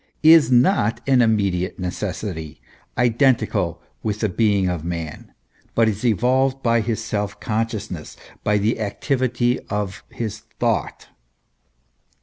is not an immediate necessity, identical with the being of man, but is evolved by his self consciousness, by the activity of his thought.